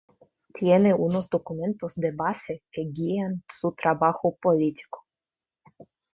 Tiene unos documentos de base que guían su trabajo político.